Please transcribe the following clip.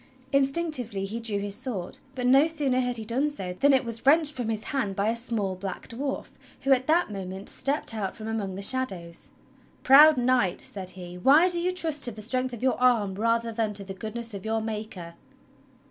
Instinctively he drew his sword; but no sooner had he done so than it was wrenched from his hand by a small black dwarf who at that moment stepped out from among the shadows. "Proud Knight," said he," why do you trust to the strength of your arm rather than to the goodness of your Maker.?"